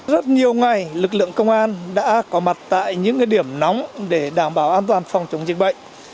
rất nhiều ngày lực lượng công an đã có mặt tại những điểm nóng để đảm bảo an toàn phòng chống dịch bệnh